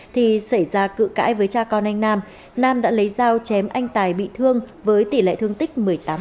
thì xảy ra cự cãi với cha con anh nam nam đã lấy dao chém anh tài bị thương với tỷ lệ thương tích một mươi tám